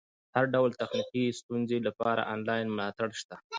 د هر ډول تخنیکي ستونزې لپاره انلاین ملاتړ شته.